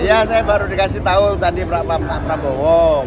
ya saya baru dikasih tahu tadi pak prabowo